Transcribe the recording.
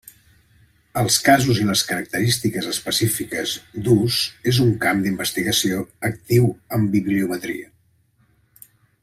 Els casos i les característiques específiques d'ús és un camp d'investigació actiu en bibliometria.